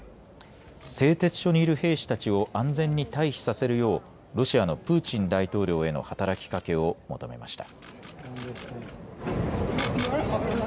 製鉄所にいる兵士たちを安全に退避させるようロシアのプーチン大統領への働きかけを求めました。